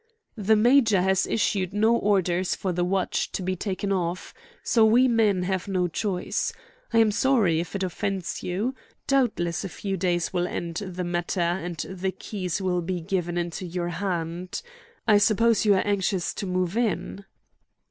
"The major has issued no orders for the watch to be taken off, so we men have no choice. I am sorry if it offends you. Doubtless a few days will end the matter and the keys will be given into your hand. I suppose you are anxious to move in?"